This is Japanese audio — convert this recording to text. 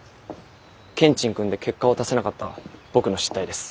けんちんくんで結果を出せなかった僕の失態です。